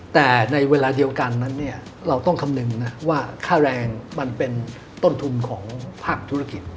แต่ในเวลาเดียวกันนั้นเนี่ยเราต้องคำนึงนะว่าค่าแรงมันเป็นต้นทุนของภาคธุรกิจ